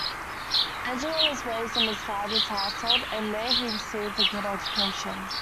Angelo was raised in his father's household and there he received a good education.